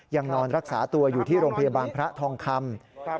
ยังนอนรักษาตัวอยู่ที่โรงพยาบาลพระทองคำ